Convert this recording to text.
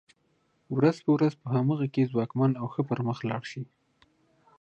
ورځ په ورځ په هغه کې ځواکمن او ښه پرمخ لاړ شي.